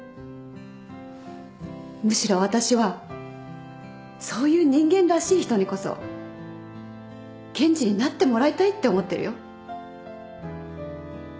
むしろ私はそういう人間らしい人にこそ検事になってもらいたいって思ってるよ。